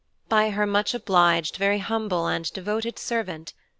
BY HER MUCH OBLIGED, VERY HUMBLE AND DEVOTED SERVANT.